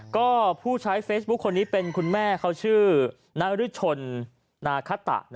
ก็ผู้ใช้เฟซบุ๊คคนนี้เป็นคุณแม่เขาชื่อนาริชนนาคตะ